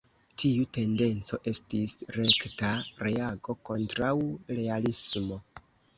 Tiu tendenco estis rekta reago kontraŭ realismo.